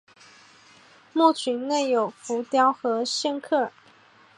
墓群内有浮雕和线刻。